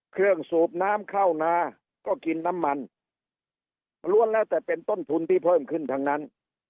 สูบน้ำเข้านาก็กินน้ำมันล้วนแล้วแต่เป็นต้นทุนที่เพิ่มขึ้นทั้งนั้น